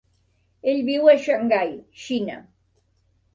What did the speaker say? Ell viu a Shanghai, Xina.